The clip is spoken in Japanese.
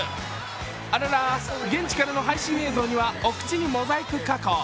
あらら、現地からの配信映像にはお口にモザイク加工。